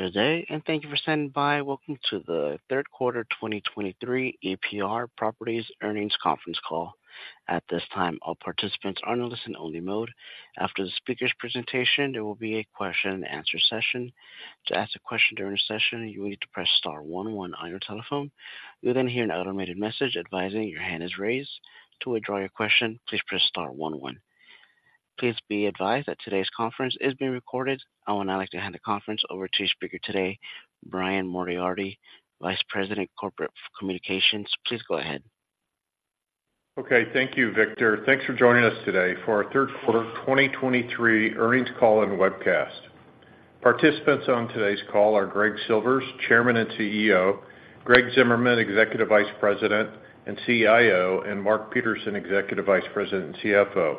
Good day, and thank you for standing by. Welcome to the Third Quarter 2023 EPR Properties Earnings Conference Call. At this time, all participants are in a listen only mode. After the speaker's presentation, there will be a question and answer session. To ask a question during the session, you will need to press star one one on your telephone. You'll then hear an automated message advising your hand is raised. To withdraw your question, please press star one one. Please be advised that today's conference is being recorded. I would now like to hand the conference over to your speaker today, Brian Moriarty, Vice President, Corporate Communications. Please go ahead. Okay. Thank you, Victor. Thanks for joining us today for our third quarter 2023 earnings call and webcast. Participants on today's call are Greg Silvers, Chairman and CEO, Greg Zimmerman, Executive Vice President and CIO, and Mark Peterson, Executive Vice President and CFO.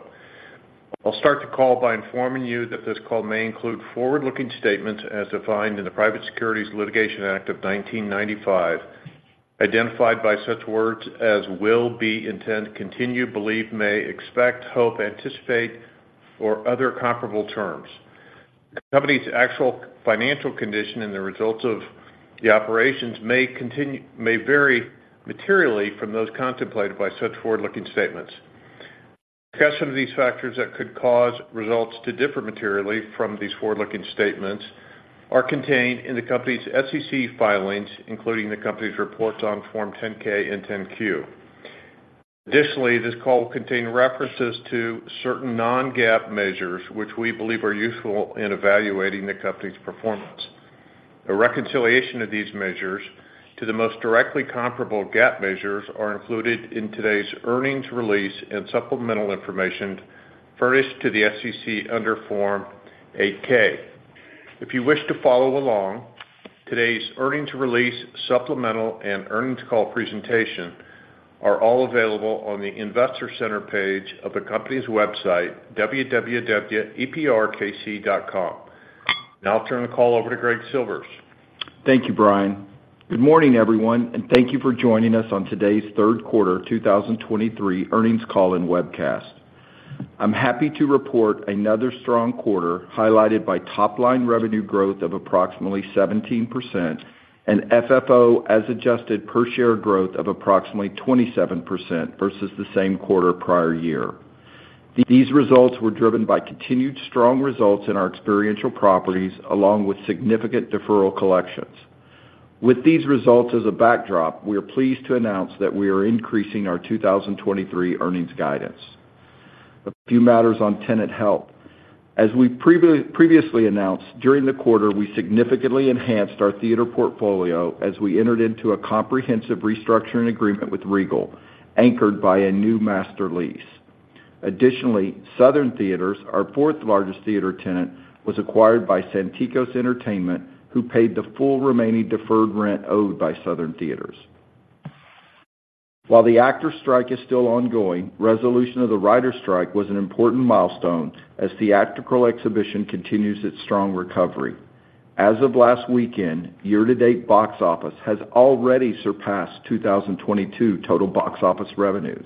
I'll start the call by informing you that this call may include forward-looking statements as defined in the Private Securities Litigation Reform Act of 1995, identified by such words as will, be, intent, continue, believe, may, expect, hope, anticipate, or other comparable terms. The company's actual financial condition and the results of the operations may vary materially from those contemplated by such forward-looking statements. Discussions of these factors that could cause results to differ materially from these forward-looking statements are contained in the company's SEC filings, including the company's reports on Form 10-K and 10-Q. Additionally, this call will contain references to certain non-GAAP measures, which we believe are useful in evaluating the company's performance. A reconciliation of these measures to the most directly comparable GAAP measures are included in today's earnings release and supplemental information furnished to the SEC under Form 8-K. If you wish to follow along, today's earnings release, supplemental, and earnings call presentation are all available on the investor center page of the company's website, www.eprkc.com.Now I'll turn the call over to Greg Silvers. Thank you, Brian. Good morning, everyone, and thank you for joining us on today's third quarter 2023 earnings call and webcast. I'm happy to report another strong quarter, highlighted by top-line revenue growth of approximately 17% and FFO as adjusted per share growth of approximately 27% versus the same quarter prior year. These results were driven by continued strong results in our experiential properties, along with significant deferral collections. With these results as a backdrop, we are pleased to announce that we are increasing our 2023 earnings guidance. A few matters on tenant health. As we previously announced, during the quarter, we significantly enhanced our theater portfolio as we entered into a comprehensive restructuring agreement with Regal, anchored by a new master lease. Additionally, Southern Theatres, our fourth largest theater tenant, was acquired by Santikos Entertainment, who paid the full remaining deferred rent owed by Southern Theatres. While the actors' strike is still ongoing, resolution of the writers' strike was an important milestone as theatrical exhibition continues its strong recovery. As of last weekend, year-to-date box office has already surpassed 2022 total box office revenues.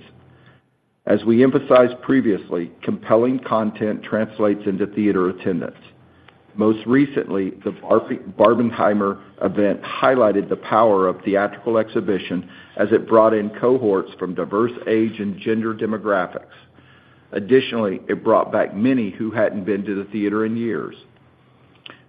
As we emphasized previously, compelling content translates into theater attendance. Most recently, the Barbenheimer event highlighted the power of theatrical exhibition as it brought in cohorts from diverse age and gender demographics. Additionally, it brought back many who hadn't been to the theater in years.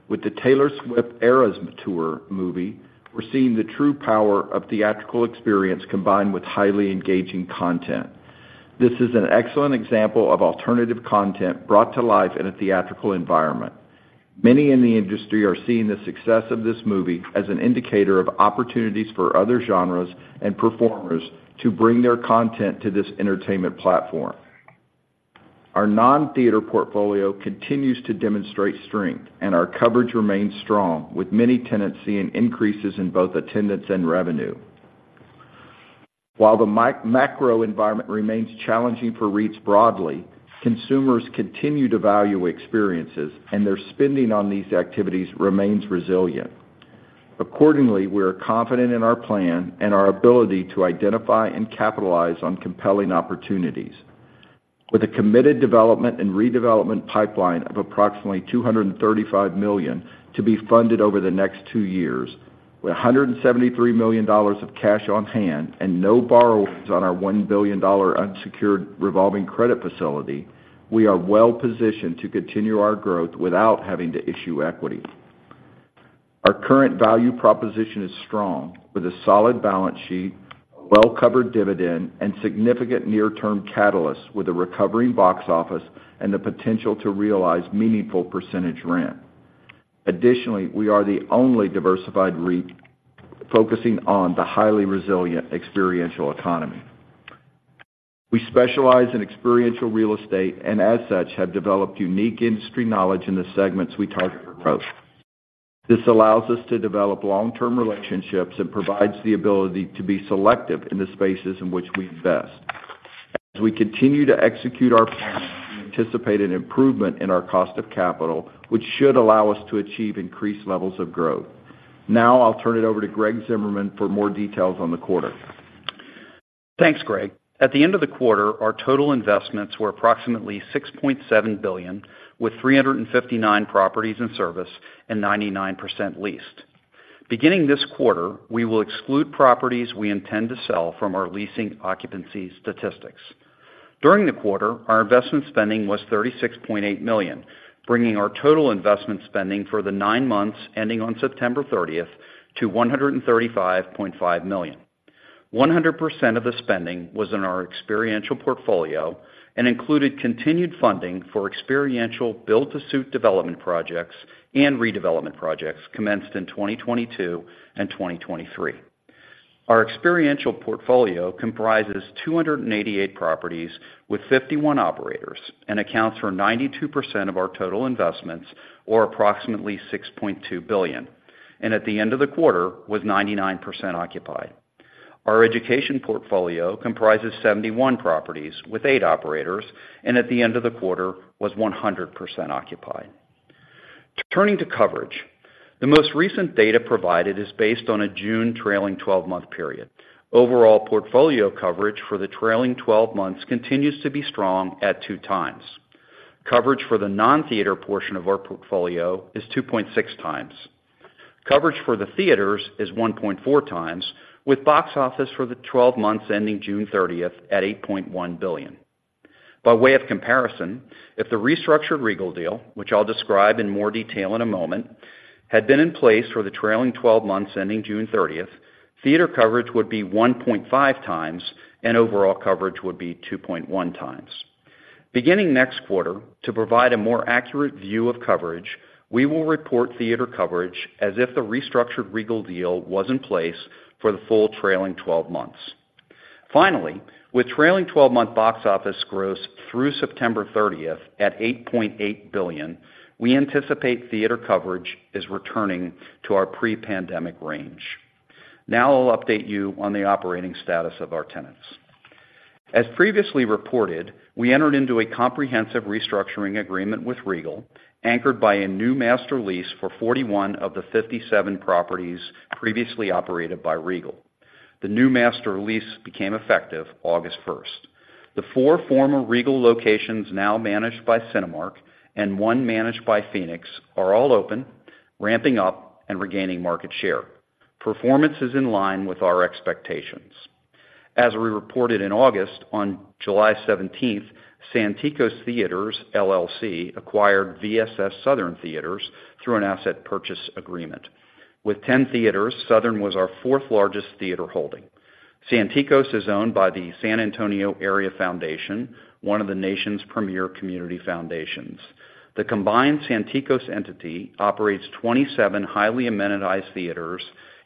With the Taylor Swift Eras Tour movie, we're seeing the true power of theatrical experience combined with highly engaging content. This is an excellent example of alternative content brought to life in a theatrical environment. Many in the industry are seeing the success of this movie as an indicator of opportunities for other genres and performers to bring their content to this entertainment platform. Our non-theater portfolio continues to demonstrate strength, and our coverage remains strong, with many tenants seeing increases in both attendance and revenue. While the macro environment remains challenging for REITs broadly, consumers continue to value experiences, and their spending on these activities remains resilient. Accordingly, we are confident in our plan and our ability to identify and capitalize on compelling opportunities. With a committed development and redevelopment pipeline of approximately $235 million to be funded over the next two years, with $173 million of cash on hand and no borrowings on our $1 billion unsecured revolving credit facility, we are well positioned to continue our growth without having to issue equity. Our current value proposition is strong, with a solid balance sheet, a well-covered dividend, and significant near-term catalysts, with a recovering box office and the potential to realize meaningful percentage rent. Additionally, we are the only diversified REIT focusing on the highly resilient experiential economy. We specialize in experiential real estate, and as such, have developed unique industry knowledge in the segments we target approach. This allows us to develop long-term relationships and provides the ability to be selective in the spaces in which we invest. As we continue to execute our plan, we anticipate an improvement in our cost of capital, which should allow us to achieve increased levels of growth. Now, I'll turn it over to Greg Zimmerman for more details on the quarter.... Thanks, Greg. At the end of the quarter, our total investments were approximately $6.7 billion, with 359 properties in service, and 99% leased. Beginning this quarter, we will exclude properties we intend to sell from our leasing occupancy statistics. During the quarter, our investment spending was $36.8 million, bringing our total investment spending for the nine months ending September 30th to $135.5 million. 100% of the spending was in our experiential portfolio and included continued funding for experiential build-to-suit development projects and redevelopment projects commenced in 2022 and 2023. Our experiential portfolio comprises 288 properties with 51 operators and accounts for 92% of our total investments, or approximately $6.2 billion, and at the end of the quarter, was 99% occupied. Our education portfolio comprises 71 properties with eight operators, and at the end of the quarter was 100% occupied. Turning to coverage, the most recent data provided is based on a June trailing 12-month period. Overall portfolio coverage for the trailing 12 months continues to be strong at 2x. Coverage for the non-theater portion of our portfolio is 2.6x. Coverage for the theaters is 1.4x, with box office for the 12 months ending June thirtieth at $8.1 billion. By way of comparison, if the restructured Regal deal, which I'll describe in more detail in a moment, had been in place for the trailing 12 months ending June thirtieth, theater coverage would be 1.5x, and overall coverage would be 2.1x. Beginning next quarter, to provide a more accurate view of coverage, we will report theater coverage as if the restructured Regal deal was in place for the full trailing twelve months. Finally, with trailing twelve-month box office gross through September 30th at $8.8 billion, we anticipate theater coverage is returning to our pre-pandemic range. Now I'll update you on the operating status of our tenants. As previously reported, we entered into a comprehensive restructuring agreement with Regal, anchored by a new master lease for 41 of the 57 properties previously operated by Regal. The new master lease became effective August 1st. The four former Regal locations, now managed by Cinemark, and one managed by Phoenix, are all open, ramping up and regaining market share. Performance is in line with our expectations. As we reported in August, on July 17th, Santikos Theatres LLC acquired VSS Southern Theatres through an asset purchase agreement. With 10 theaters, Southern was our fourth-largest theater holding. Santikos is owned by the San Antonio Area Foundation, one of the nation's premier community foundations. The combined Santikos entity operates 27 highly amenitized theaters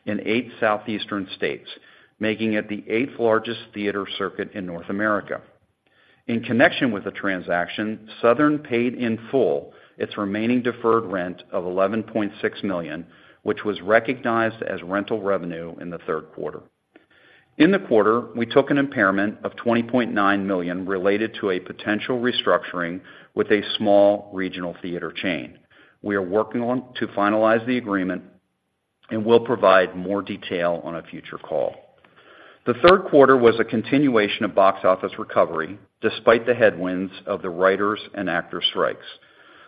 in eight southeastern states, making it the eighth-largest theater circuit in North America. In connection with the transaction, Southern paid in full its remaining deferred rent of $11.6 million, which was recognized as rental revenue in the third quarter. In the quarter, we took an impairment of $20.9 million related to a potential restructuring with a small regional theater chain. We are working on to finalize the agreement, and we'll provide more detail on a future call. The third quarter was a continuation of box office recovery, despite the headwinds of the writers and actors strikes.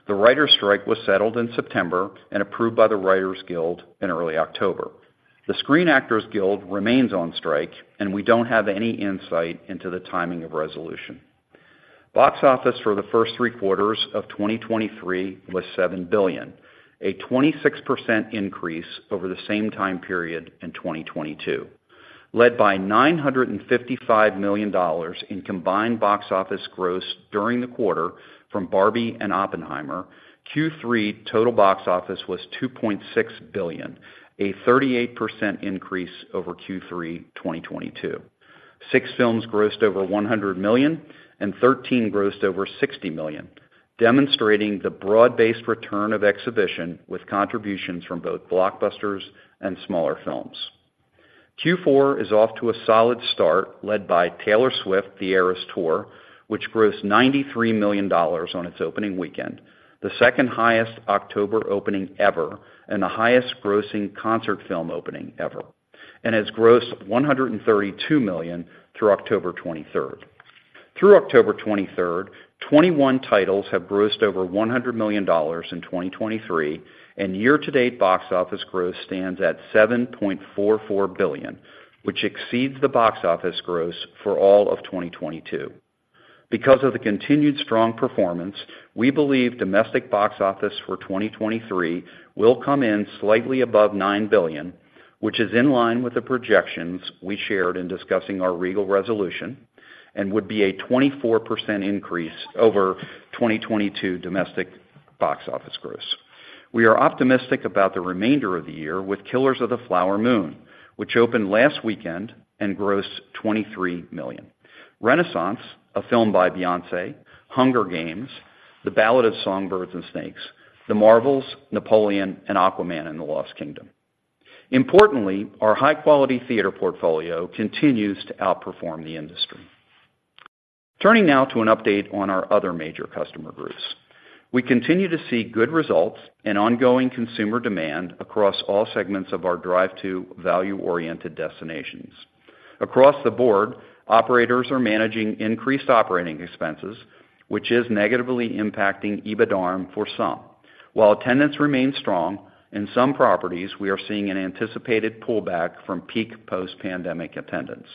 The writers strike was settled in September and approved by the Writers Guild in early October. The Screen Actors Guild remains on strike, and we don't have any insight into the timing of resolution. Box office for the first three quarters of 2023 was $7 billion, a 26% increase over the same time period in 2022, led by $955 million in combined box office gross during the quarter from Barbie and Oppenheimer. Q3 total box office was $2.6 billion, a 38% increase over Q3 2022. Six films grossed over $100 million, and 13 grossed over $60 million, demonstrating the broad-based return of exhibition, with contributions from both blockbusters and smaller films. Q4 is off to a solid start, led by Taylor Swift: The Eras Tour, which grossed $93 million on its opening weekend, the second highest October opening ever, and the highest grossing concert film opening ever, and has grossed $132 million through October 23rd. Through October 23rd, 21 titles have grossed over $100 million in 2023, and year-to-date box office growth stands at $7.44 billion, which exceeds the box office gross for all of 2022. Because of the continued strong performance, we believe domestic box office for 2023 will come in slightly above $9 billion, which is in line with the projections we shared in discussing our Regal resolution and would be a 24% increase over 2022 domestic box office gross. We are optimistic about the remainder of the year with Killers of the Flower Moon, which opened last weekend and grossed $23 million. Renaissance, a film by Beyoncé, Hunger Games: The Ballad of Songbirds and Snakes, The Marvels, Napoleon, and Aquaman and the Lost Kingdom. Importantly, our high-quality theater portfolio continues to outperform the industry. Turning now to an update on our other major customer groups. We continue to see good results and ongoing consumer demand across all segments of our drive to value-oriented destinations. Across the board, operators are managing increased operating expenses, which is negatively impacting EBITDARM for some. While attendance remains strong, in some properties, we are seeing an anticipated pullback from peak post-pandemic attendance.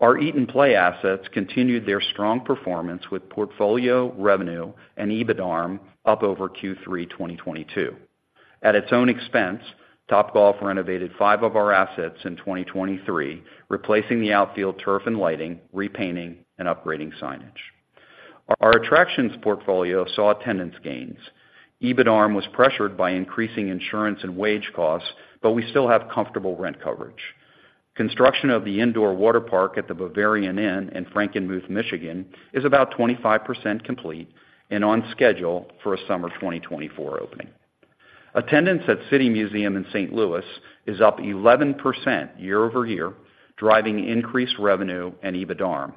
Our Eat and Play assets continued their strong performance with portfolio revenue and EBITDARM up over Q3 2022. At its own expense, Topgolf renovated five of our assets in 2023, replacing the outfield turf and lighting, repainting, and upgrading signage. Our attractions portfolio saw attendance gains. EBITDARM was pressured by increasing insurance and wage costs, but we still have comfortable rent coverage. Construction of the indoor water park at the Bavarian Inn in Frankenmuth, Michigan, is about 25% complete and on schedule for a summer 2024 opening. Attendance at City Museum in St. Louis is up 11% year-over-year, driving increased revenue and EBITDARM.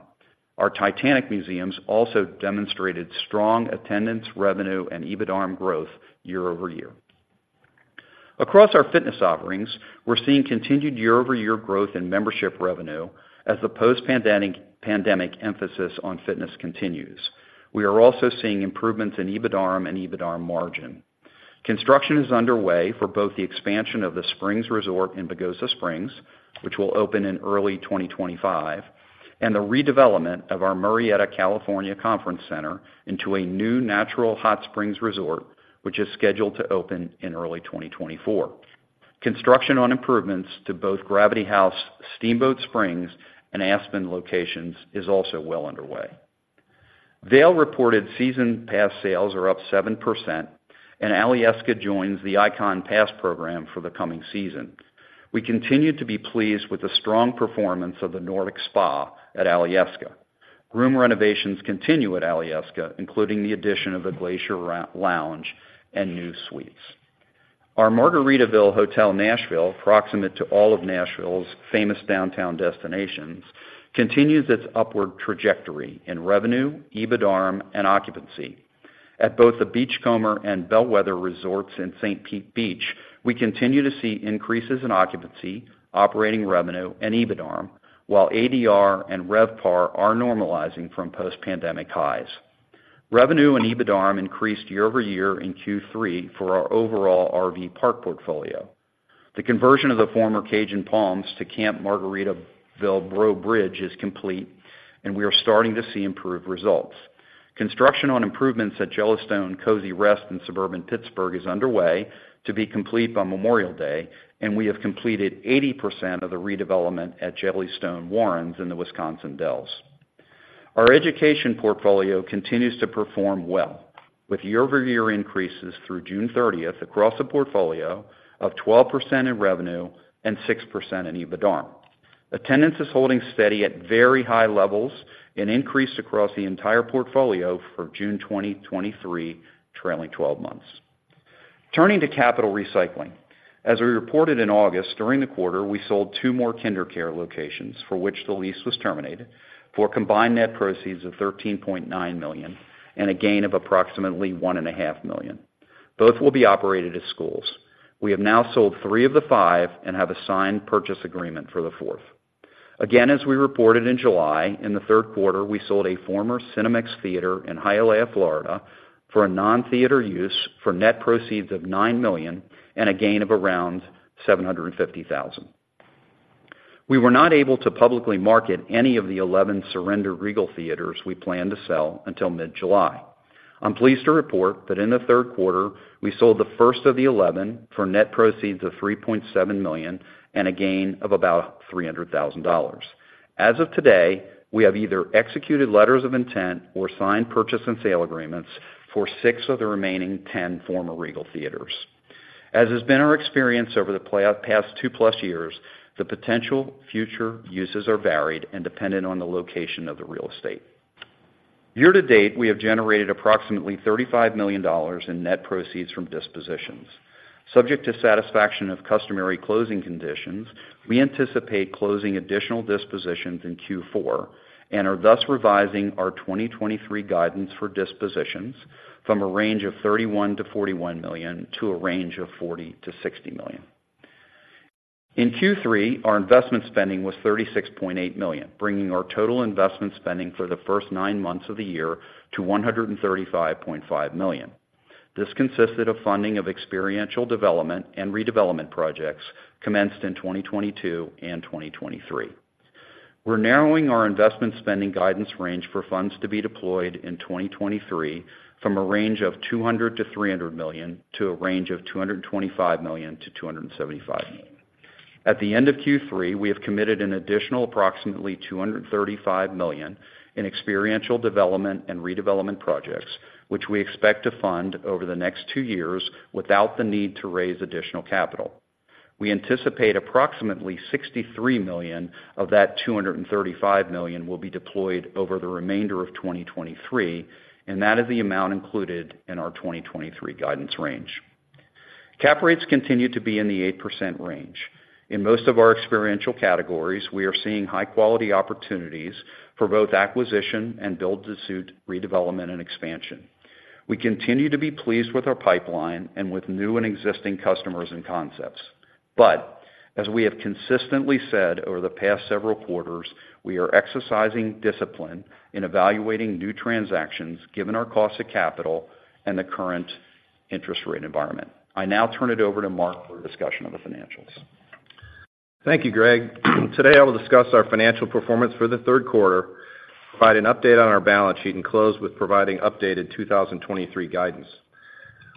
Our Titanic Museums also demonstrated strong attendance, revenue, and EBITDARM growth year-over-year. Across our fitness offerings, we're seeing continued year-over-year growth in membership revenue as the post-pandemic, pandemic emphasis on fitness continues. We are also seeing improvements in EBITDARM and EBITDARM margin. Construction is underway for both the expansion of the Springs Resort in Pagosa Springs, which will open in early 2025, and the redevelopment of our Murrieta, California, Conference Center into a new natural hot springs resort, which is scheduled to open in early 2024. Construction on improvements to both Gravity Haus, Steamboat Springs, and Aspen locations is also well underway. Vail reported season pass sales are up 7%, and Alyeska joins the Ikon Pass program for the coming season. We continue to be pleased with the strong performance of the Nordic Spa at Alyeska. Room renovations continue at Alyeska, including the addition of a glacier room lounge and new suites. Our Margaritaville Hotel, Nashville, proximate to all of Nashville's famous downtown destinations, continues its upward trajectory in revenue, EBITDARM, and occupancy. At both the Beachcomber and Bellwether resorts in St. Pete Beach, we continue to see increases in occupancy, operating revenue, and EBITDARM, while ADR and RevPAR are normalizing from post-pandemic highs. Revenue and EBITDARM increased year-over-year in Q3 for our overall RV park portfolio. The conversion of the former Cajun Palms to Camp Margaritaville Breaux Bridge is complete, and we are starting to see improved results. Construction on improvements at Jellystone Kozy Rest in suburban Pittsburgh is underway to be complete by Memorial Day, and we have completed 80% of the redevelopment at Jellystone Warrens in the Wisconsin Dells. Our education portfolio continues to perform well, with year-over-year increases through June 30th across the portfolio of 12% in revenue and 6% in EBITDARM. Attendance is holding steady at very high levels and increased across the entire portfolio for June 2023, trailing twelve months. Turning to capital recycling. As we reported in August, during the quarter, we sold two more KinderCare locations for which the lease was terminated, for combined net proceeds of $13.9 million and a gain of approximately $1.5 million. Both will be operated as schools. We have now sold three of the five and have a signed purchase agreement for the fourth. Again, as we reported in July, in the third quarter, we sold a former Cinemark theater in Hialeah, Florida, for a non-theater use for net proceeds of $9 million and a gain of around $750,000. We were not able to publicly market any of the 11 surrendered Regal theaters we planned to sell until mid-July. I'm pleased to report that in the third quarter, we sold the first of the 11 for net proceeds of $3.7 million and a gain of about $300,000. As of today, we have either executed letters of intent or signed purchase and sale agreements for six of the remaining 10 former Regal theaters. As has been our experience over the past 2+ years, the potential future uses are varied and dependent on the location of the real estate. Year to date, we have generated approximately $35 million in net proceeds from dispositions. Subject to satisfaction of customary closing conditions, we anticipate closing additional dispositions in Q4 and are thus revising our 2023 guidance for dispositions from a range of $31 million-$41 million to a range of $40 million-$60 million. In Q3, our investment spending was $36.8 million, bringing our total investment spending for the first nine months of the year to $135.5 million. This consisted of funding of experiential development and redevelopment projects commenced in 2022 and 2023. We're narrowing our investment spending guidance range for funds to be deployed in 2023 from a range of $200 million-$300 million to a range of $225 million-$275 million. At the end of Q3, we have committed an additional approximately $235 million in experiential development and redevelopment projects, which we expect to fund over the next two years without the need to raise additional capital. We anticipate approximately $63 million of that $235 million will be deployed over the remainder of 2023, and that is the amount included in our 2023 guidance range. Cap rates continue to be in the 8% range. In most of our experiential categories, we are seeing high-quality opportunities for both acquisition and build-to-suit, redevelopment, and expansion. We continue to be pleased with our pipeline and with new and existing customers and concepts. But as we have consistently said over the past several quarters, we are exercising discipline in evaluating new transactions, given our cost of capital and the current interest rate environment. I now turn it over to Mark for a discussion of the financials. Thank you, Greg. Today, I will discuss our financial performance for the third quarter, provide an update on our balance sheet, and close with providing updated 2023 guidance.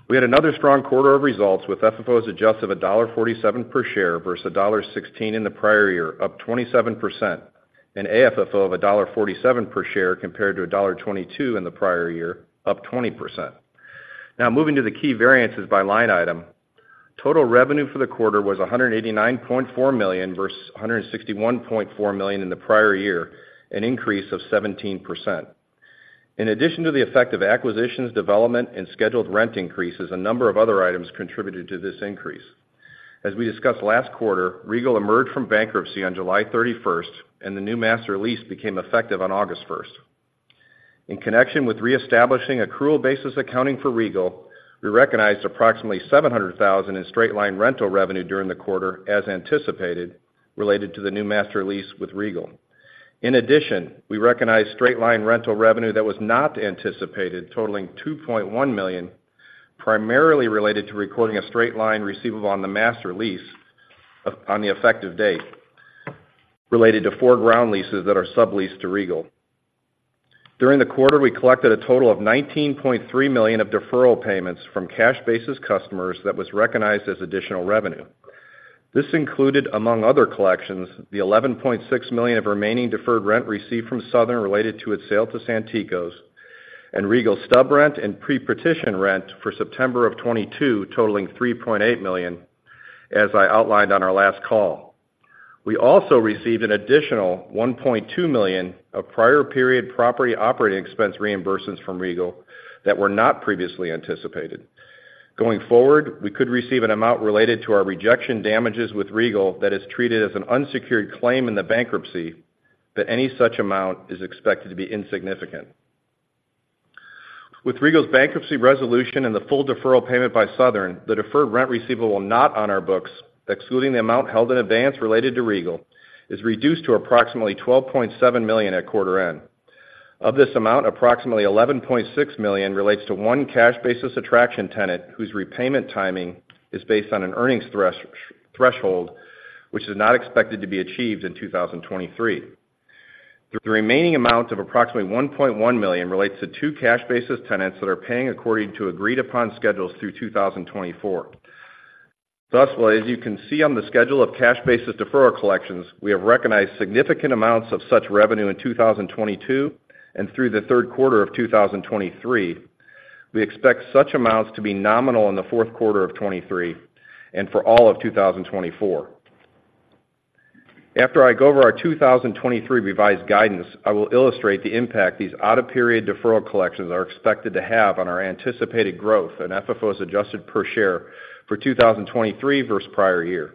We had another strong quarter of results, with FFO as adjusted of $1.47 per share versus $1.16 in the prior year, up 27%, and AFFO of $1.47 per share, compared to $1.22 in the prior year, up 20%. Now, moving to the key variances by line item. Total revenue for the quarter was $189.4 million versus $161.4 million in the prior year, an increase of 17%. In addition to the effect of acquisitions, development, and scheduled rent increases, a number of other items contributed to this increase. As we discussed last quarter, Regal emerged from bankruptcy on July 31st, and the new master lease became effective on August 1st. In connection with reestablishing accrual basis accounting for Regal, we recognized approximately $700,000 in straight-line rental revenue during the quarter, as anticipated, related to the new master lease with Regal. In addition, we recognized straight-line rental revenue that was not anticipated, totaling $2.1 million, primarily related to recording a straight-line receivable on the master lease on the effective date, related to four ground leases that are subleased to Regal. During the quarter, we collected a total of $19.3 million of deferral payments from cash basis customers that was recognized as additional revenue. This included, among other collections, the $11.6 million of remaining deferred rent received from Southern, related to its sale to Santikos, and Regal stub rent and pre-petition rent for September of 2022, totaling $3.8 million, as I outlined on our last call. We also received an additional $1.2 million of prior period property operating expense reimbursements from Regal that were not previously anticipated. Going forward, we could receive an amount related to our rejection damages with Regal that is treated as an unsecured claim in the bankruptcy, but any such amount is expected to be insignificant. With Regal's bankruptcy resolution and the full deferral payment by Southern, the deferred rent receivable not on our books, excluding the amount held in advance related to Regal, is reduced to approximately $12.7 million at quarter end. Of this amount, approximately $11.6 million relates to one cash basis attraction tenant, whose repayment timing is based on an earnings threshold, which is not expected to be achieved in 2023. The remaining amount of approximately $1.1 million relates to two cash basis tenants that are paying according to agreed-upon schedules through 2024. Thus, well, as you can see on the schedule of cash basis deferral collections, we have recognized significant amounts of such revenue in 2022 and through the third quarter of 2023. We expect such amounts to be nominal in the fourth quarter of 2023 and for all of 2024. After I go over our 2023 revised guidance, I will illustrate the impact these out-of-period deferral collections are expected to have on our anticipated growth and FFOs adjusted per share for 2023 versus prior year.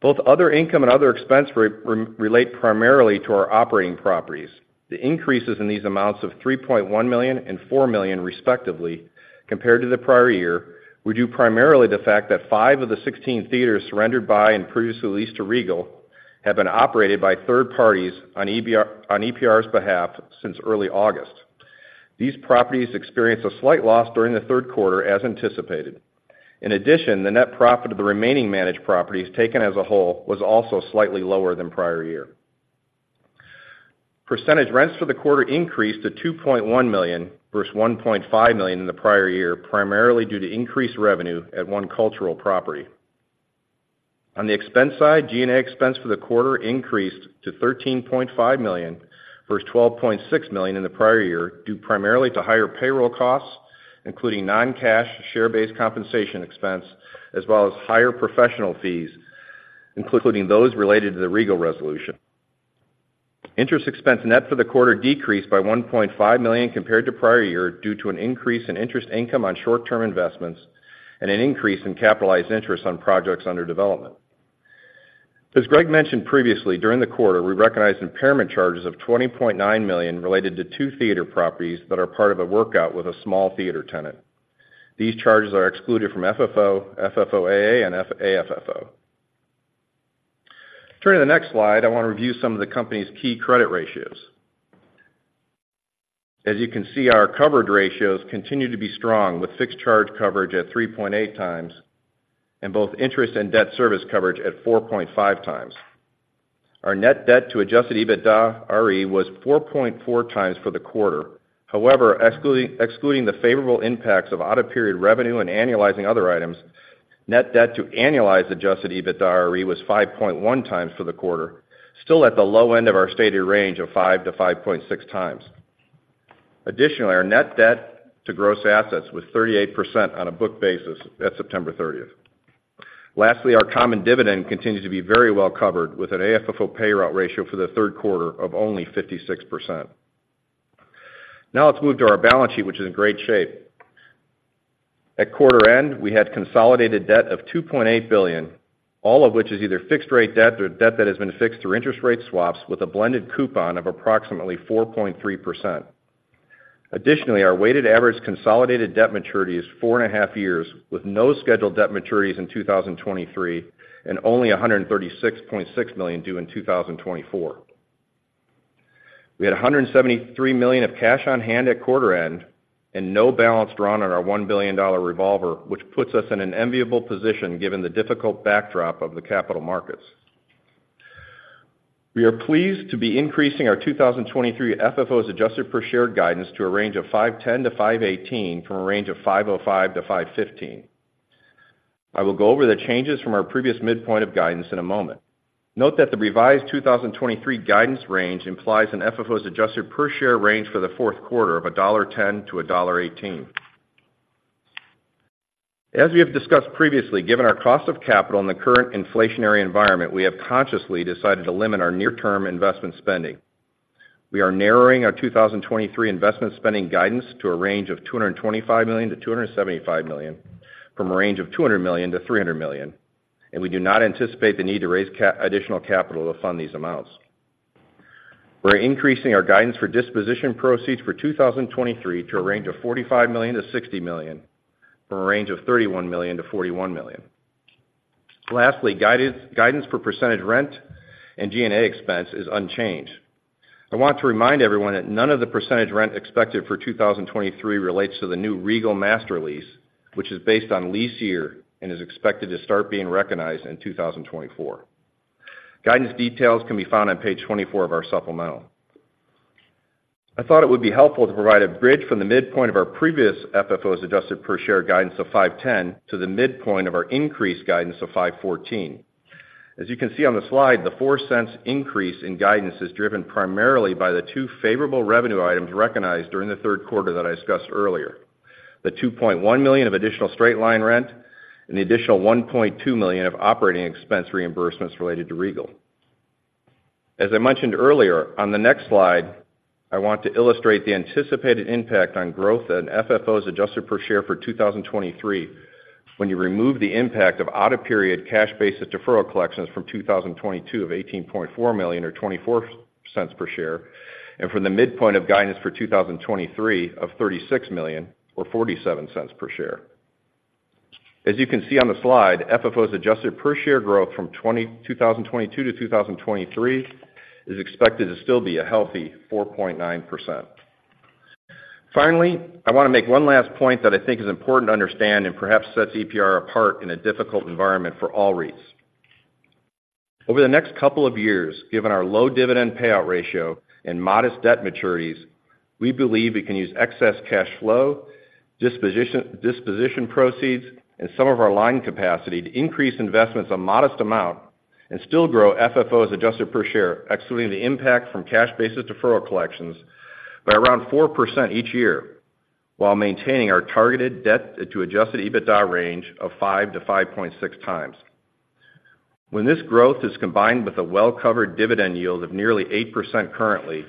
Both other income and other expense relate primarily to our operating properties. The increases in these amounts of $3.1 million and $4 million, respectively, compared to the prior year, were due primarily to the fact that five of the 16 theaters surrendered by and previously leased to Regal have been operated by third parties on EPR's behalf since early August. These properties experienced a slight loss during the third quarter, as anticipated. In addition, the net profit of the remaining managed properties, taken as a whole, was also slightly lower than prior year. Percentage rents for the quarter increased to $2.1 million, versus $1.5 million in the prior year, primarily due to increased revenue at one cultural property. On the expense side, G&A expense for the quarter increased to $13.5 million, versus $12.6 million in the prior year, due primarily to higher payroll costs, including non-cash share-based compensation expense, as well as higher professional fees, including those related to the Regal resolution. Interest expense net for the quarter decreased by $1.5 million compared to prior year, due to an increase in interest income on short-term investments and an increase in capitalized interest on projects under development. As Greg mentioned previously, during the quarter, we recognized impairment charges of $20.9 million related to two theater properties that are part of a workout with a small theater tenant. These charges are excluded from FFO, FFOA, and AFFO. Turning to the next slide, I want to review some of the company's key credit ratios. As you can see, our coverage ratios continue to be strong, with fixed charge coverage at 3.8x, and both interest and debt service coverage at 4.5x. Our net debt to adjusted EBITDARE was 4.4x for the quarter. However, excluding the favorable impacts of out-of-period revenue and annualizing other items, net debt to annualized adjusted EBITDARE was 5.1x for the quarter, still at the low end of our stated range of 5-5.6x. Additionally, our net debt to gross assets was 38% on a book basis at September 30th. Lastly, our common dividend continues to be very well covered, with an AFFO payout ratio for the third quarter of only 56%.... Now let's move to our balance sheet, which is in great shape. At quarter end, we had consolidated debt of $2.8 billion, all of which is either fixed rate debt or debt that has been fixed through interest rate swaps with a blended coupon of approximately 4.3%. Additionally, our weighted average consolidated debt maturity is 4.5 years, with no scheduled debt maturities in 2023, and only $136.6 million due in 2024. We had $173 million of cash on hand at quarter-end and no balance drawn on our $1 billion revolver, which puts us in an enviable position, given the difficult backdrop of the capital markets. We are pleased to be increasing our 2023 FFO as adjusted per share guidance to a range of $5.10-$5.18, from a range of $5.05-$5.15. I will go over the changes from our previous midpoint of guidance in a moment. Note that the revised 2023 guidance range implies an FFO as adjusted per share range for the fourth quarter of $1.10-$1.18. As we have discussed previously, given our cost of capital in the current inflationary environment, we have consciously decided to limit our near-term investment spending. We are narrowing our 2023 investment spending guidance to a range of $225 million-$275 million, from a range of $200 million-$300 million, and we do not anticipate the need to raise additional capital to fund these amounts. We're increasing our guidance for disposition proceeds for 2023 to a range of $45 million-$60 million, from a range of $31 million-$41 million. Lastly, guidance for percentage rent and G&A expense is unchanged. I want to remind everyone that none of the percentage rent expected for 2023 relates to the new Regal master lease, which is based on lease year and is expected to start being recognized in 2024. Guidance details can be found on page 24 of our supplemental. I thought it would be helpful to provide a bridge from the midpoint of our previous FFO as adjusted per share guidance of $5.10 to the midpoint of our increased guidance of $5.14. As you can see on the slide, the $0.04 increase in guidance is driven primarily by the two favorable revenue items recognized during the third quarter that I discussed earlier. The $2.1 million of additional straight-line rent and the additional $1.2 million of operating expense reimbursements related to Regal. As I mentioned earlier, on the next slide, I want to illustrate the anticipated impact on growth and FFOs adjusted per share for 2023 when you remove the impact of out-of-period cash basis deferral collections from 2022 of $18.4 million or $0.24 per share, and from the midpoint of guidance for 2023 of $36 million or $0.47 per share. As you can see on the slide, FFOs adjusted per share growth from 2022 to 2023 is expected to still be a healthy 4.9%. Finally, I want to make one last point that I think is important to understand and perhaps sets EPR apart in a difficult environment for all REITs. Over the next couple of years, given our low dividend payout ratio and modest debt maturities, we believe we can use excess cash flow, disposition proceeds, and some of our line capacity to increase investments a modest amount and still grow FFO as adjusted per share, excluding the impact from cash basis deferral collections by around 4% each year, while maintaining our targeted debt to adjusted EBITDA range of 5-5.6x. When this growth is combined with a well-covered dividend yield of nearly 8% currently,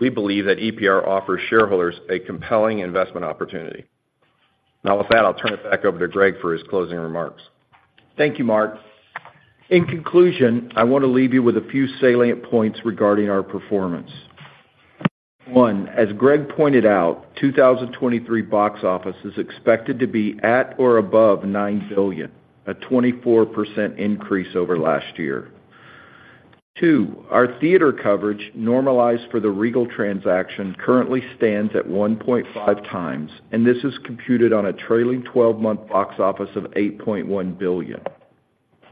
we believe that EPR offers shareholders a compelling investment opportunity. Now, with that, I'll turn it back over to Greg for his closing remarks. Thank you, Mark. In conclusion, I want to leave you with a few salient points regarding our performance. One, as Greg pointed out, 2023 box office is expected to be at or above $9 billion, a 24% increase over last year. Two, our theater coverage, normalized for the Regal transaction, currently stands at 1.5x, and this is computed on a trailing twelve-month box office of $8.1 billion.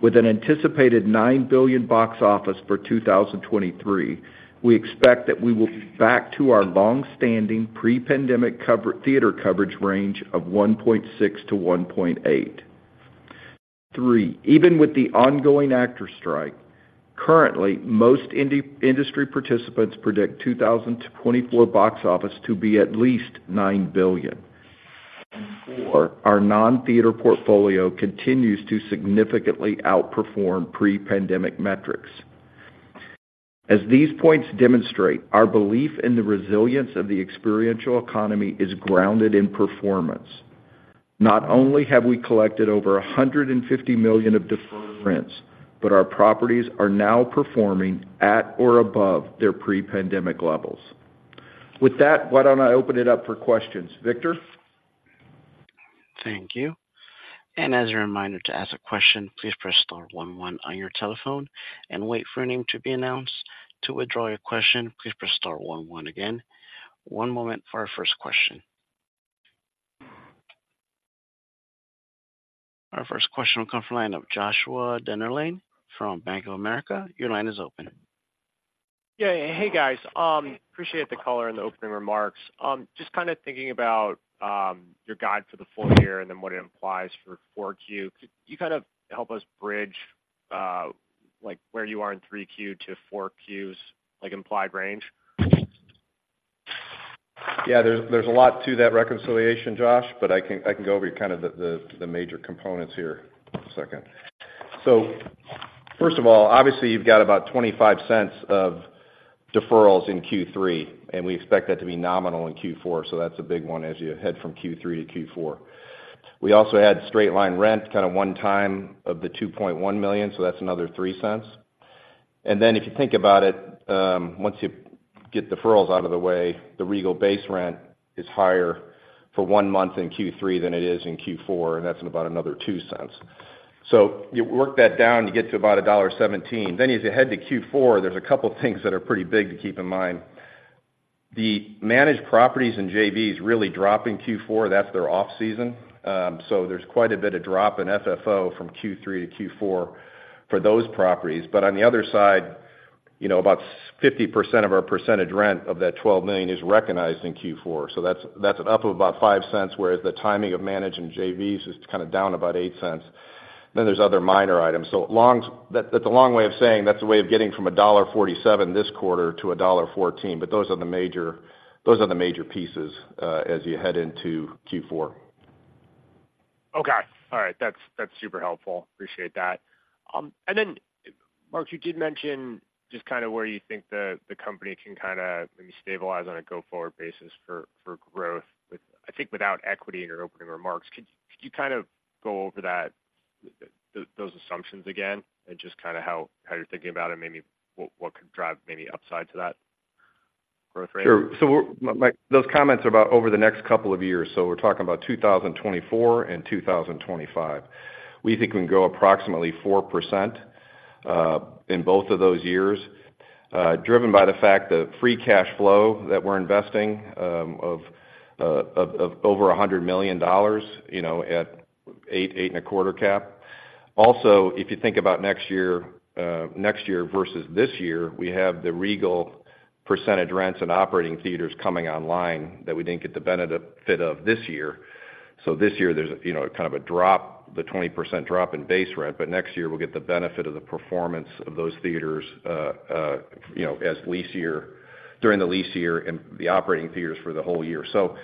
With an anticipated $9 billion box office for 2023, we expect that we will be back to our long-standing pre-pandemic theater coverage range of 1.6-1.8. Three, even with the ongoing actor strike, currently, most industry participants predict 2024 box office to be at least $9 billion. And four, our non-theater portfolio continues to significantly outperform pre-pandemic metrics. As these points demonstrate, our belief in the resilience of the experiential economy is grounded in performance. Not only have we collected over $150 million of deferred rents, but our properties are now performing at or above their pre-pandemic levels. With that, why don't I open it up for questions? Victor? Thank you. And as a reminder, to ask a question, please press star one one on your telephone and wait for your name to be announced. To withdraw your question, please press star one one again. One moment for our first question. Our first question will come from the line of Joshua Dennerlein from Bank of America. Your line is open. Yeah. Hey, guys, appreciate the color in the opening remarks. Just kind of thinking about your guide for the full year and then what it implies for 4Q. Could you kind of help us bridge, like, where you are in 3Q to 4Q's, like, implied range? Yeah, there's a lot to that reconciliation, Josh, but I can go over kind of the major components here in a second.... So first of all, obviously, you've got about $0.25 of deferrals in Q3, and we expect that to be nominal in Q4. So that's a big one as you head from Q3 to Q4. We also had straight-line rent, kind of one time of $2.1 million, so that's another $0.03. And then if you think about it, once you get deferrals out of the way, the Regal base rent is higher for one month in Q3 than it is in Q4, and that's about another $0.02. So you work that down, you get to about $1.17. Then as you head to Q4, there's a couple things that are pretty big to keep in mind. The managed properties in JVs really drop in Q4, that's their off-season. So there's quite a bit of drop in FFO from Q3 to Q4 for those properties. But on the other side, you know, about 50% of our percentage rent of that $12 million is recognized in Q4. So that's, that's an up of about $0.05, whereas the timing of managed and JVs is kind of down about $0.08. Then there's other minor items. So, that's a long way of saying that's a way of getting from $1.47 this quarter to $1.14, but those are the major, those are the major pieces, as you head into Q4. Okay. All right. That's super helpful. Appreciate that. And then, Mark, you did mention just kind of where you think the company can kind of maybe stabilize on a go-forward basis for growth, with, I think, without equity in your opening remarks. Could you kind of go over that, those assumptions again, and just kind of how you're thinking about it and maybe what could drive maybe upside to that growth rate? Sure. So those comments are about over the next couple of years, so we're talking about 2024 and 2025. We think we can grow approximately 4%, in both of those years, driven by the fact that free cash flow that we're investing of over $100 million, you know, at eight and a quarter cap. Also, if you think about next year, next year versus this year, we have the Regal percentage rents and operating theaters coming online that we didn't get the benefit of this year. So this year, there's, you know, kind of a drop, the 20% drop in base rent, but next year, we'll get the benefit of the performance of those theaters, you know, as lease year, during the lease year and the operating theaters for the whole year. So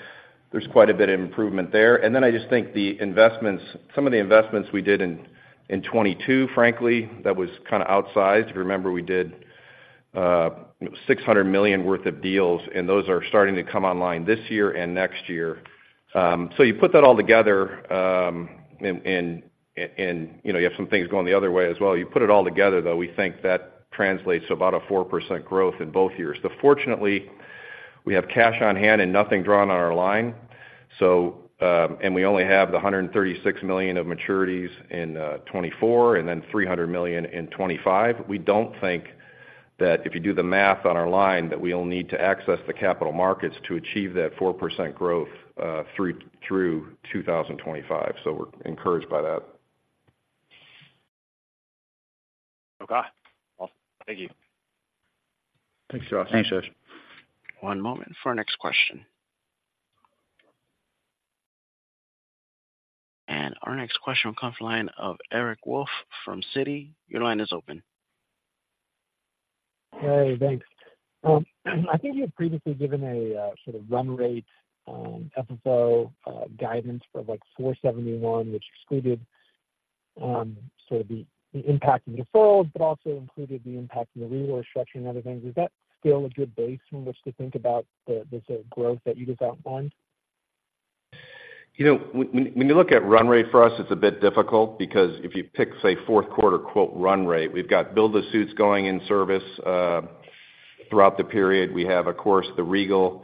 there's quite a bit of improvement there. And then I just think the investments, some of the investments we did in, in 2022, frankly, that was kind of outsized. If you remember, we did, $600 million worth of deals, and those are starting to come online this year and next year. So you put that all together, and, you know, you have some things going the other way as well. You put it all together, though, we think that translates to about a 4% growth in both years. So fortunately, we have cash on hand and nothing drawn on our line. So, and we only have the $136 million of maturities in 2024, and then $300 million in 2025. We don't think that if you do the math on our line, that we'll need to access the capital markets to achieve that 4% growth, through 2025. So we're encouraged by that. Okay. Well, thank you. Thanks, Josh. Thanks, Josh. One moment for our next question. Our next question will come from the line of Eric Wolfe from Citi. Your line is open. Hey, thanks. I think you've previously given a sort of run rate FFO guidance for, like, $4.71, which excluded sort of the impact of the default, but also included the impact of the resource structure and other things. Is that still a good base from which to think about the, the sort of growth that you just outlined? You know, when you look at run rate for us, it's a bit difficult, because if you pick, say, fourth quarter, quote, "run rate," we've got build-to-suits going in service throughout the period. We have, of course, the Regal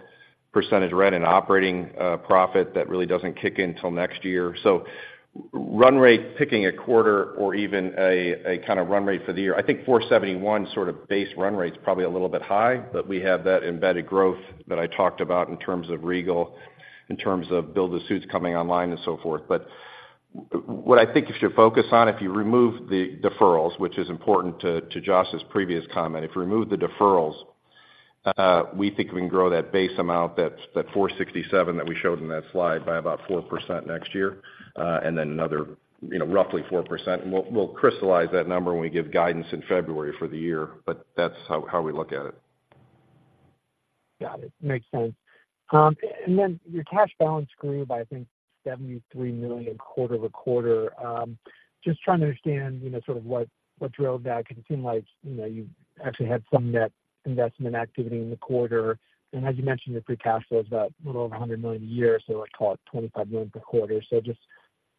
percentage rent and operating profit that really doesn't kick in until next year. So run rate, picking a quarter or even a kind of run rate for the year, I think $471 sort of base run rate is probably a little bit high, but we have that embedded growth that I talked about in terms of Regal, in terms of build-to-suits coming online and so forth. But what I think you should focus on, if you remove the deferrals, which is important to Josh's previous comment. If you remove the deferrals, we think we can grow that base amount, that 467 that we showed in that slide, by about 4% next year, and then another, you know, roughly 4%. We'll crystallize that number when we give guidance in February for the year, but that's how we look at it. Got it. Makes sense. And then your cash balance grew by, I think, $73 million quarter-over-quarter. Just trying to understand, you know, sort of what, what drove that? Because it seemed like, you know, you actually had some net investment activity in the quarter. And as you mentioned, your free cash flow is about a little over $100 million a year, so like, $25 million per quarter. So just,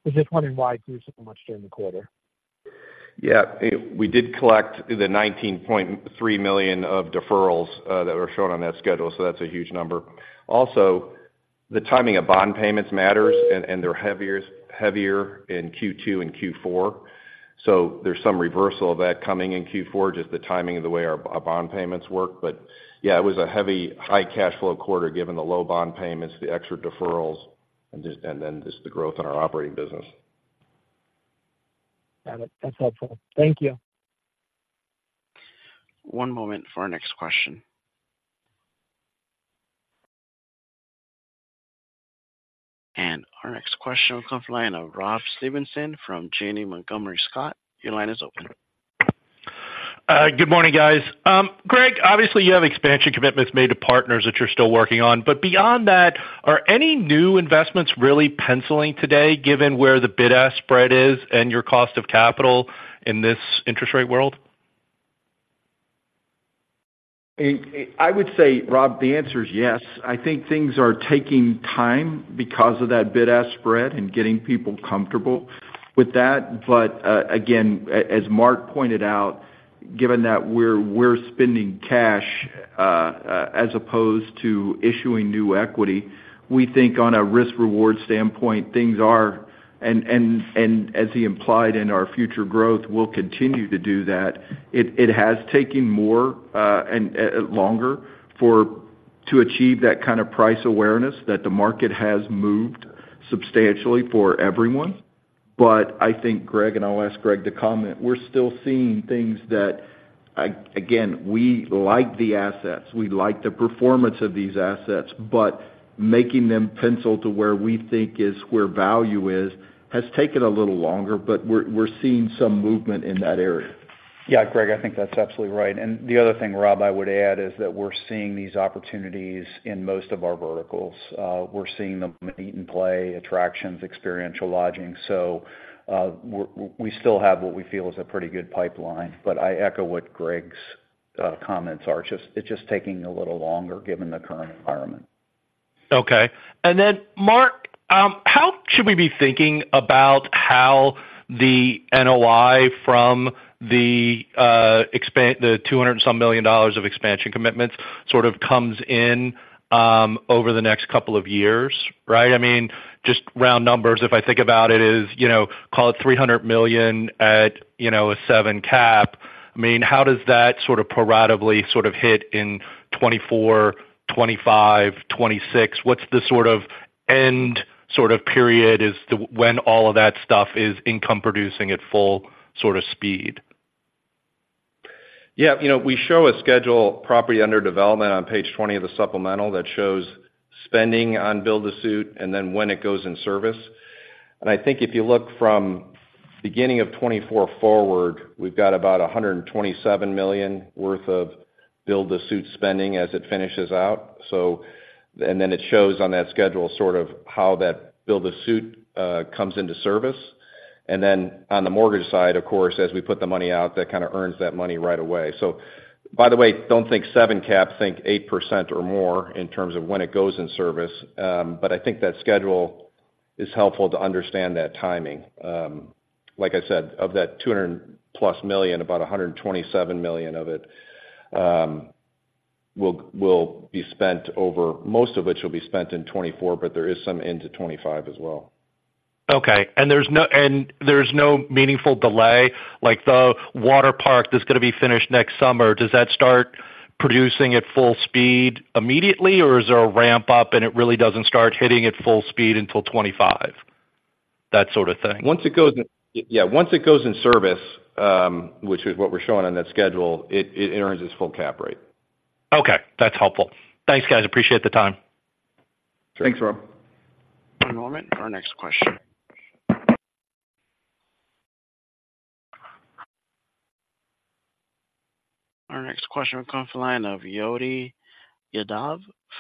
was just wondering why it grew so much during the quarter? Yeah, we did collect the $19.3 million of deferrals that were shown on that schedule, so that's a huge number. Also, the timing of bond payments matters, and they're heavier in Q2 and Q4, so there's some reversal of that coming in Q4, just the timing of the way our bond payments work. But yeah, it was a heavy, high cash flow quarter, given the low bond payments, the extra deferrals, and then just the growth in our operating business. Got it. That's helpful. Thank you. One moment for our next question. Our next question will come from the line of Rob Stevenson from Janney Montgomery Scott. Your line is open.... Good morning, guys. Greg, obviously, you have expansion commitments made to partners that you're still working on. But beyond that, are any new investments really penciling today, given where the bid-ask spread is and your cost of capital in this interest rate world? I would say, Rob, the answer is yes. I think things are taking time because of that bid-ask spread and getting people comfortable with that. But, again, as Mark pointed out, given that we're spending cash, as opposed to issuing new equity, we think on a risk-reward standpoint, things are – and as he implied in our future growth, we'll continue to do that. It has taken more and longer to achieve that kind of price awareness that the market has moved substantially for everyone. But I think, Greg, and I'll ask Greg to comment, we're still seeing things that, again, we like the assets, we like the performance of these assets, but making them pencil to where we think is where value is, has taken a little longer, but we're seeing some movement in that area. Yeah, Greg, I think that's absolutely right. And the other thing, Rob, I would add, is that we're seeing these opportunities in most of our verticals. We're seeing them in eat and play, attractions, experiential lodging. So, we still have what we feel is a pretty good pipeline, but I echo what Greg's comments are. Just. It's just taking a little longer, given the current environment. Okay. Then, Mark, how should we be thinking about how the NOI from the $200-and-some million of expansion commitments sort of comes in over the next couple of years, right? I mean, just round numbers, if I think about it, is, you know, call it $300 million at, you know, a 7% cap. I mean, how does that sort of pro rata sort of hit in 2024, 2025, 2026? What's the sort of end sort of period when all of that stuff is income producing at full sort of speed? Yeah, you know, we show a schedule property under development on page 20 of the supplemental that shows spending on build-to-suit, and then when it goes in service. And I think if you look from beginning of 2024 forward, we've got about $127 million worth of build-to-suit spending as it finishes out. So—and then it shows on that schedule sort of how that build-to-suit comes into service. And then on the mortgage side, of course, as we put the money out, that kind of earns that money right away. So by the way, don't think seven cap, think 8% or more in terms of when it goes in service. But I think that schedule is helpful to understand that timing. Like I said, of that $200+ million, about $127 million of it will be spent over... Most of which will be spent in 2024, but there is some into 2025 as well. Okay, and there's no meaningful delay, like the water park that's gonna be finished next summer, does that start producing at full speed immediately, or is there a ramp-up, and it really doesn't start hitting at full speed until 25? That sort of thing. Once it goes in, yeah, once it goes in service, which is what we're showing on that schedule, it, it earns its full cap rate. Okay, that's helpful. Thanks, guys. Appreciate the time. Thanks, Rob. Norman, our next question. Our next question will come from the line of Yodi Yadav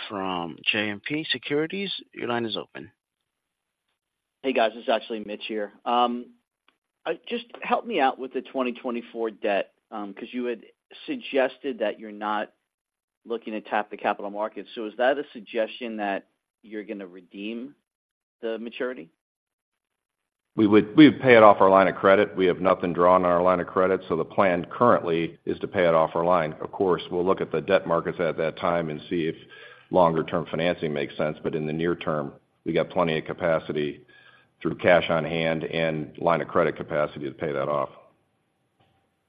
from JMP Securities. Your line is open. Hey, guys, this is actually Mitch here. Just help me out with the 2024 debt, because you had suggested that you're not looking to tap the capital markets. So is that a suggestion that you're gonna redeem the maturity? We would pay it off our line of credit. We have nothing drawn on our line of credit, so the plan currently is to pay it off our line. Of course, we'll look at the debt markets at that time and see if longer-term financing makes sense, but in the near term, we got plenty of capacity through cash on hand and line of credit capacity to pay that off.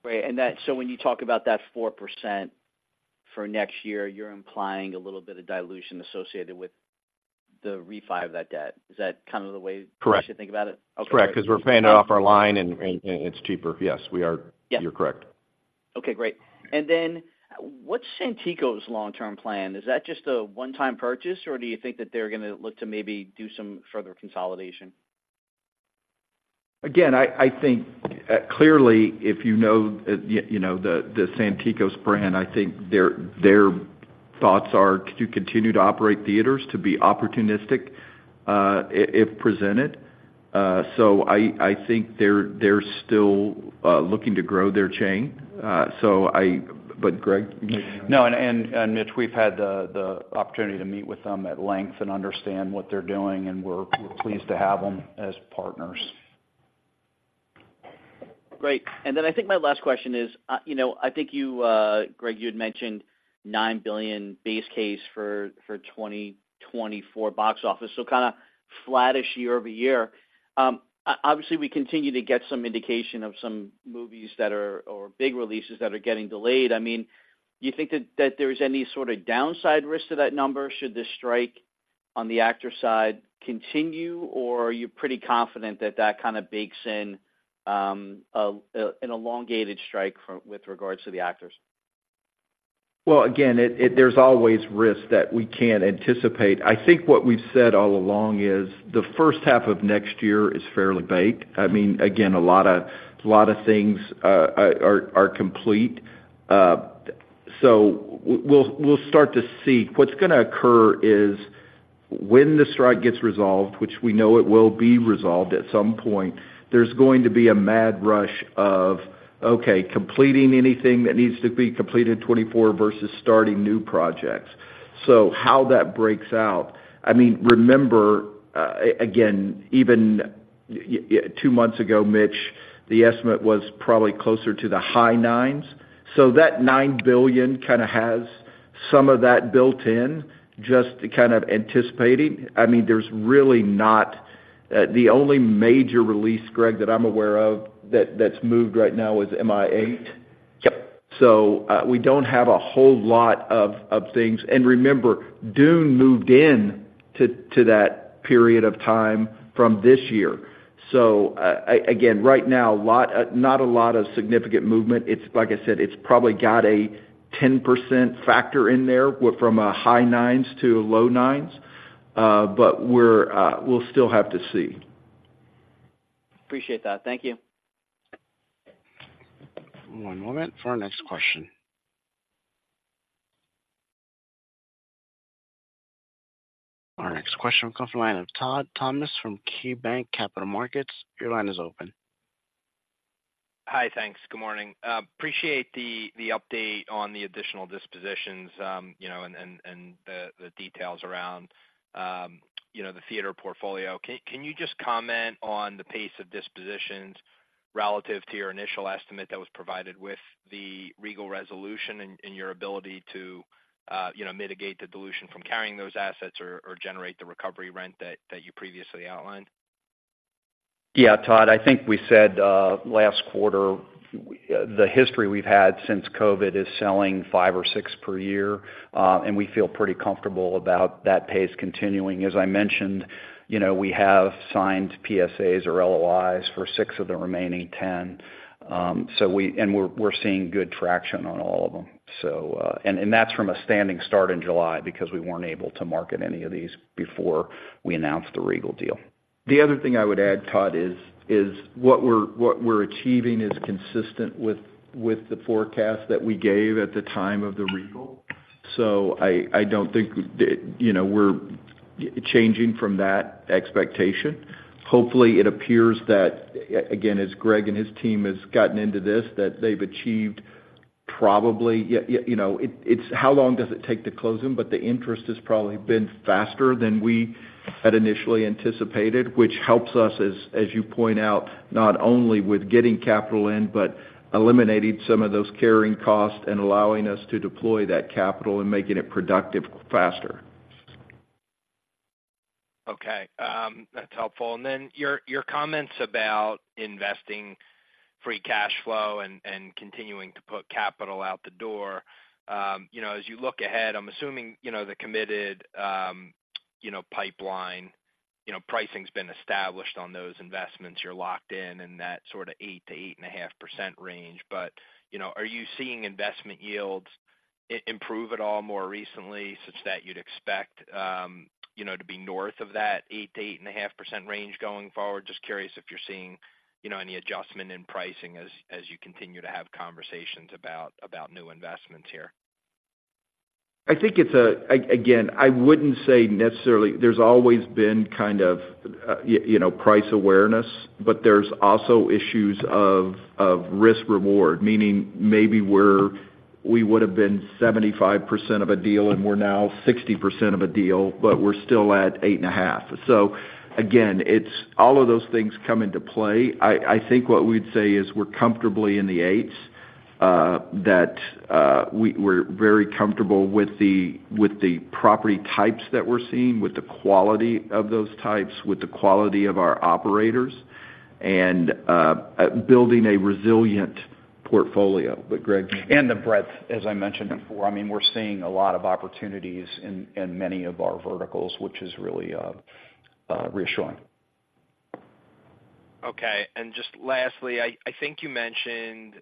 Great. So when you talk about that 4% for next year, you're implying a little bit of dilution associated with the refi of that debt. Is that kind of the way- Correct. You should think about it? Correct, because we're paying it off our line and it's cheaper. Yes, we are- Yeah. You're correct. Okay, great. And then, what's Santikos's long-term plan? Is that just a one-time purchase, or do you think that they're gonna look to maybe do some further consolidation? Again, I think clearly, if you know, you know, the Santikos' brand, I think their thoughts are to continue to operate theaters, to be opportunistic, if presented. So I think they're still looking to grow their chain. So I... But Greg, maybe- No, Mitch, we've had the opportunity to meet with them at length and understand what they're doing, and we're pleased to have them as partners. Great. And then I think my last question is, you know, I think you, Greg, you had mentioned $9 billion base case for 2024 box office, so kinda flat-ish year-over-year. Obviously, we continue to get some indication of some movies that are, or big releases that are getting delayed. I mean, do you think that, that there is any sort of downside risk to that number, should this strike on the actor side continue, or are you pretty confident that that kind of bakes in, an elongated strike from-- with regards to the actors? Well, again, it, there's always risk that we can't anticipate. I think what we've said all along is, the first half of next year is fairly baked. I mean, again, a lot of things are complete. So we'll start to see. What's gonna occur is when the strike gets resolved, which we know it will be resolved at some point, there's going to be a mad rush of completing anything that needs to be completed 2024 versus starting new projects. So how that breaks out- I mean, remember, even two months ago, Mitch, the estimate was probably closer to the high nines. So that $9 billion kind of has some of that built in, just to kind of anticipating. I mean, there's really not the only major release, Greg, that I'm aware of, that, that's moved right now is MI8. Yep. So, we don't have a whole lot of things. And remember, Dune moved in to that period of time from this year. So, again, right now, not a lot of significant movement. It's like I said, it's probably got a 10% factor in there, from a high nines to a low nines. But we'll still have to see. Appreciate that. Thank you. One moment for our next question. Our next question will come from the line of Todd Thomas, from KeyBanc Capital Markets. Your line is open. Hi, thanks. Good morning. Appreciate the update on the additional dispositions, you know, and the details around, you know, the theater portfolio. Can you just comment on the pace of dispositions relative to your initial estimate that was provided with the Regal resolution, and your ability to, you know, mitigate the dilution from carrying those assets or generate the recovery rent that you previously outlined? Yeah, Todd, I think we said last quarter the history we've had since COVID is selling five or six per year, and we feel pretty comfortable about that pace continuing. As I mentioned, you know, we have signed PSAs or LOIs for six of the remaining 10. And we're seeing good traction on all of them. And that's from a standing start in July, because we weren't able to market any of these before we announced the Regal deal. The other thing I would add, Todd, is what we're achieving is consistent with the forecast that we gave at the time of the Regal. So I don't think, you know, we're changing from that expectation. Hopefully, it appears that, again, as Greg and his team has gotten into this, that they've achieved probably you know, it's how long does it take to close them? But the interest has probably been faster than we had initially anticipated, which helps us, as you point out, not only with getting capital in, but eliminating some of those carrying costs and allowing us to deploy that capital and making it productive faster. Okay, that's helpful. And then your, your comments about investing free cash flow and, and continuing to put capital out the door. You know, as you look ahead, I'm assuming, you know, the committed, you know, pipeline, you know, pricing's been established on those investments. You're locked in, in that sort of 8%-8.5% range. But, you know, are you seeing investment yields improve at all more recently, such that you'd expect, you know, to be north of that 8%-8.5% range going forward? Just curious if you're seeing, you know, any adjustment in pricing as, as you continue to have conversations about, about new investments here. I think it's again, I wouldn't say necessarily. There's always been kind of, you know, price awareness, but there's also issues of risk reward, meaning maybe we would've been 75% of a deal, and we're now 60% of a deal, but we're still at 8.5. So again, it's all of those things come into play. I think what we'd say is we're comfortably in the eights, that we're very comfortable with the, with the property types that we're seeing, with the quality of those types, with the quality of our operators, and building a resilient portfolio. But Greg? The breadth, as I mentioned before. I mean, we're seeing a lot of opportunities in many of our verticals, which is really reassuring. Okay. And just lastly, I think you mentioned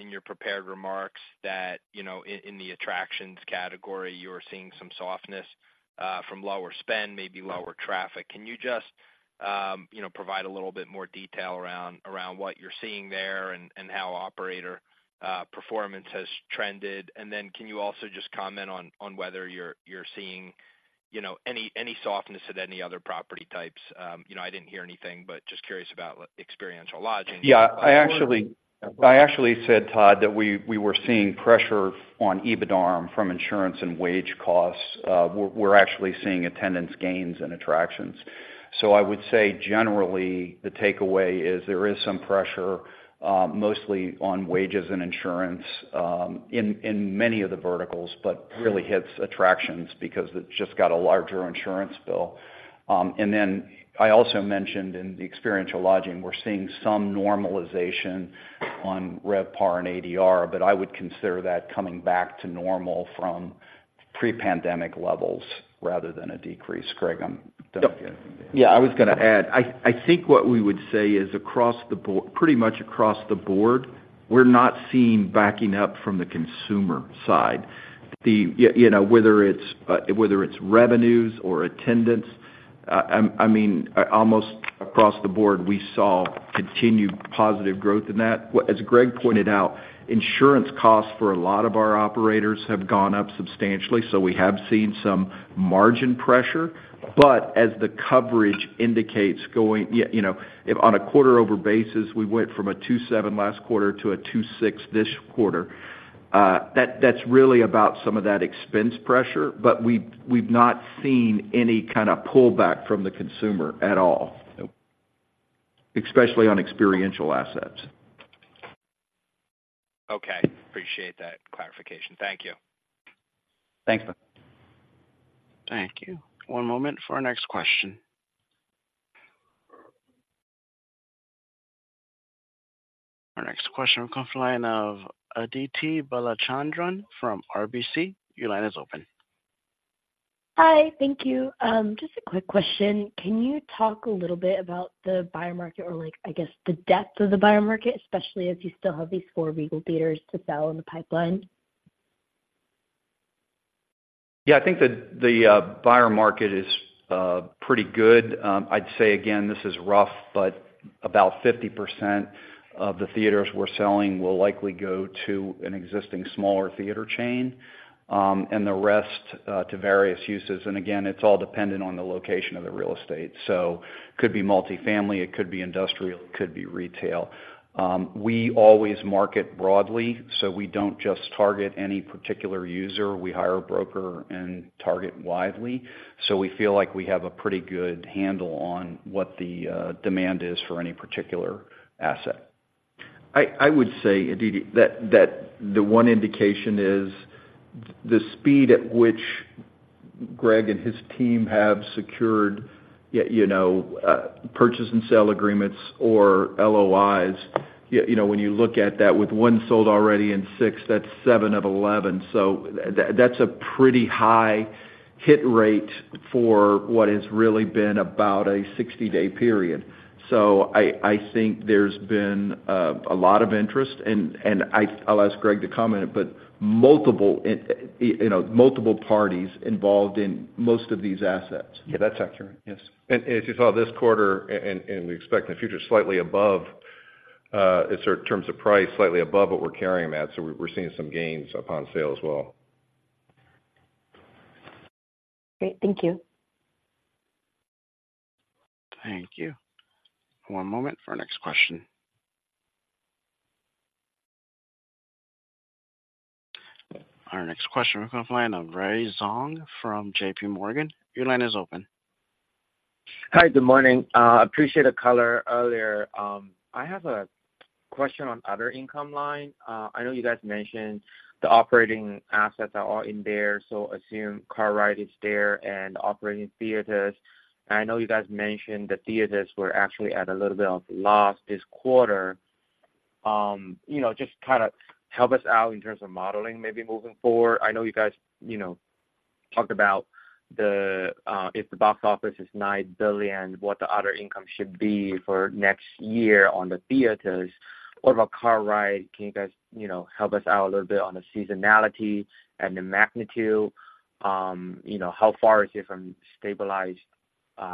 in your prepared remarks that, you know, in the attractions category, you are seeing some softness from lower spend, maybe lower traffic. Can you just, you know, provide a little bit more detail around what you're seeing there and how operator performance has trended? And then can you also just comment on whether you're seeing, you know, any softness at any other property types? You know, I didn't hear anything, but just curious about what experiential lodging- Yeah, I actually- Go on. I actually said, Todd, that we were seeing pressure on EBITDARM from insurance and wage costs. We're actually seeing attendance gains and attractions. So I would say, generally, the takeaway is, there is some pressure, mostly on wages and insurance, in many of the verticals, but really hits attractions because it's just got a larger insurance bill. And then I also mentioned in the experiential lodging, we're seeing some normalization on RevPAR and ADR, but I would consider that coming back to normal from pre-pandemic levels rather than a decrease. Greg, don't forget. Yeah, I was gonna add, I think what we would say is across the board—pretty much across the board, we're not seeing backing up from the consumer side. You know, whether it's revenues or attendance, I mean, almost across the board, we saw continued positive growth in that. As Greg pointed out, insurance costs for a lot of our operators have gone up substantially, so we have seen some margin pressure. But as the coverage indicates, you know, on a quarter-over basis, we went from a 2.7 last quarter to a 2.6 this quarter, that's really about some of that expense pressure. But we've not seen any kind of pullback from the consumer at all, especially on experiential assets. Okay, appreciate that clarification. Thank you. Thanks. Thank you. One moment for our next question. Our next question comes from the line of Aditi Balachandran from RBC. Your line is open. Hi, thank you. Just a quick question. Can you talk a little bit about the buyer market or like, I guess, the depth of the buyer market, especially as you still have these four Regal theaters to sell in the pipeline? Yeah, I think the buyer market is pretty good. I'd say again, this is rough, but about 50% of the theaters we're selling will likely go to an existing smaller theater chain, and the rest to various uses. And again, it's all dependent on the location of the real estate. So could be multifamily, it could be industrial, it could be retail. We always market broadly, so we don't just target any particular user. We hire a broker and target widely, so we feel like we have a pretty good handle on what the demand is for any particular asset. I would say, Aditi, that the one indication is the speed at which Greg and his team have secured, you know, purchase and sale agreements or LOIs. You know, when you look at that, with one sold already in six, that's seven of 11. So that's a pretty high hit rate for what has really been about a 60-day period. So I think there's been a lot of interest, and I'll ask Greg to comment, but multiple, you know, multiple parties involved in most of these assets. Yeah, that's accurate. Yes. And as you saw this quarter, we expect in the future slightly above, in terms of price, slightly above what we're carrying that. So we're seeing some gains upon sale as well. Great. Thank you. Thank you. One moment for our next question. Our next question comes from the line of Ray Zhong from JPMorgan. Your line is open. Hi, good morning. Appreciate the color earlier. I have a question on other income line. I know you guys mentioned the operating assets are all in there, so assume Cartwright is there and operating theaters. And I know you guys mentioned the theaters were actually at a little bit of loss this quarter. You know, just kinda help us out in terms of modeling, maybe moving forward. I know you guys, you know, talked about the, if the box office is $9 billion, what the other income should be for next year on the theaters. What about Cartwright? Can you guys, you know, help us out a little bit on the seasonality and the magnitude? You know, how far is it from stabilized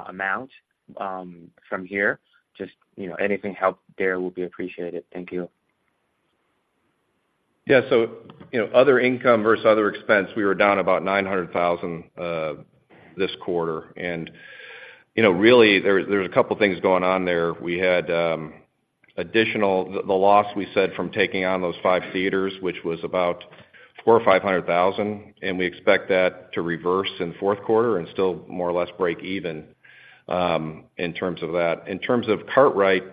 amount from here? Just, you know, anything help there will be appreciated. Thank you. Yeah, so, you know, other income versus other expense, we were down about $900,000 this quarter. And, you know, really, there, there's a couple things going on there. We had additional. The loss we said from taking on those 5 theaters, which was about $400,000 or $500,000, and we expect that to reverse in fourth quarter and still more or less break even in terms of that. In terms of Cartwright,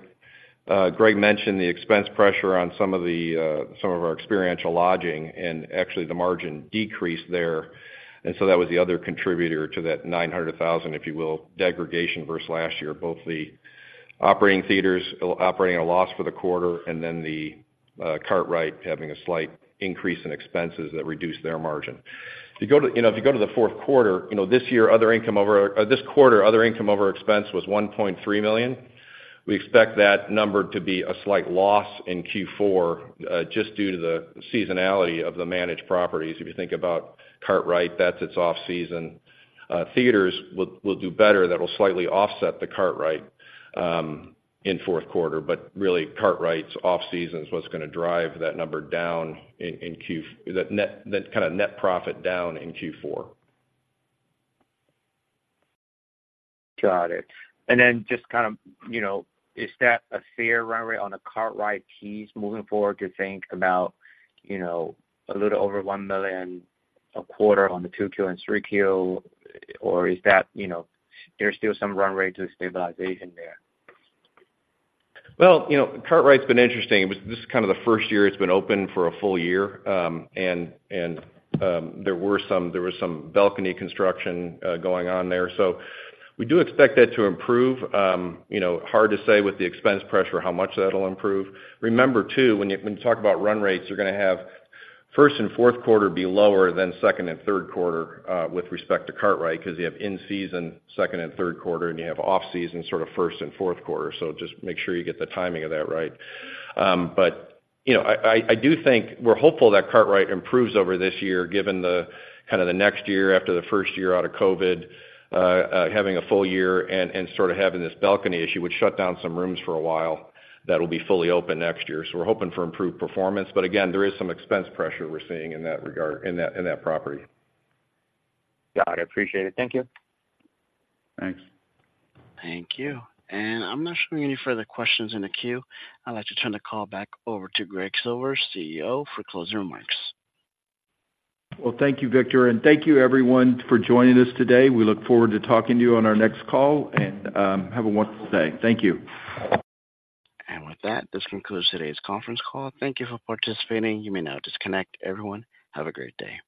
Greg mentioned the expense pressure on some of our experiential lodging, and actually, the margin decreased there. And so that was the other contributor to that $900,000, if you will, degradation versus last year, both the operating theaters operating at a loss for the quarter and then the Cartwright having a slight increase in expenses that reduced their margin. If you go to, you know, if you go to the fourth quarter, you know, this year, other income over this quarter, other income over expense was $1.3 million. We expect that number to be a slight loss in Q4 just due to the seasonality of the managed properties. If you think about Cartwright, that's its off-season. Theaters will do better. That will slightly offset the Cartwright in fourth quarter. But really, Cartwright's off-season is what's gonna drive that number down in Q4 that net, that kind of net profit down in Q4. Got it. And then just kind of, you know, is that a fair run rate on the Cartwright piece moving forward to think about, you know, a little over $1 million a quarter on the 2Q and 3Q? Or is that, you know, there's still some run rate to stabilization there? Well, you know, Cartwright's been interesting. This is kind of the first year it's been open for a full year. There was some balcony construction going on there. So we do expect that to improve. You know, hard to say with the expense pressure, how much that'll improve. Remember, too, when you talk about run rates, you're gonna have first and fourth quarter be lower than second and third quarter, with respect to Cartwright, because you have in-season second and third quarter, and you have off-season sort of first and fourth quarter. So just make sure you get the timing of that right. But, you know, I do think we're hopeful that Cartwright improves over this year, given the kind of the next year after the first year out of COVID, having a full year and, and sort of having this balcony issue, which shut down some rooms for a while, that will be fully open next year. So we're hoping for improved performance. But again, there is some expense pressure we're seeing in that regard, in that, in that property. Got it. Appreciate it. Thank you. Thanks. Thank you. I'm not showing any further questions in the queue. I'd like to turn the call back over to Greg Silvers, CEO, for closing remarks. Well, thank you, Victor, and thank you everyone for joining us today. We look forward to talking to you on our next call, and have a wonderful day. Thank you. With that, this concludes today's conference call. Thank you for participating. You may now disconnect. Everyone, have a great day.